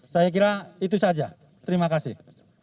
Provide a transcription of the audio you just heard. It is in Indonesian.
saya kira itu saja terima kasih